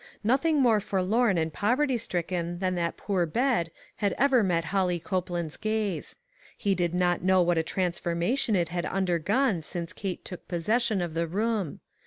Nothing more forlorn and poverty stricken than that poor bed had ever met Holly Copeland's gaze. He did not know what a transformation it had undergone since Kate took possession of the room.